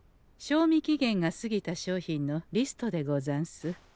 賞味期限が過ぎた商品のリストでござんす。